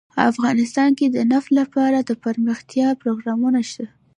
افغانستان کې د نفت لپاره دپرمختیا پروګرامونه شته.